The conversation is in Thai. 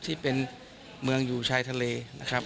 ที่เป็นเมืองอยู่ชายทะเลนะครับ